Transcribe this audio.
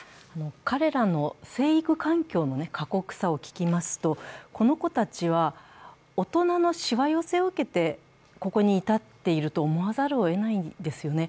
彼らの成育環境の過酷さを聞きますとこの子たちは大人のしわ寄せを受けて、ここに至っていると思わざるをえないんですよね。